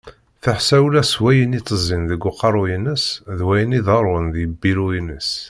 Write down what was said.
Teḥṣa ula s wayen itezzin deg uqerru-ines d wayen iḍarrun di lbiru-ines.